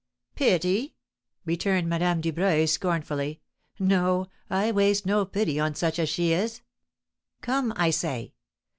"Pity!" returned Madame Dubreuil, scornfully. "No, I waste no pity on such as she is. Come, I say!